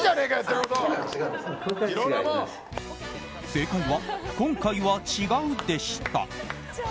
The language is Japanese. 正解は「今回は違う」でした。